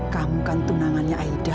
kamu kan tunangannya aida